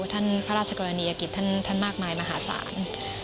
ท่านพระราชกรณียกิจท่านมากมายมหสาร